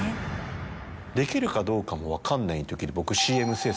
できるかどうかも分かんない時に僕。